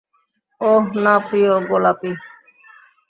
ওহ, না, প্রিয়, গোলাপী।